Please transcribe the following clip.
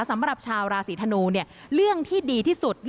สำหรับชาวราศีธนูเนี่ยเรื่องที่ดีที่สุด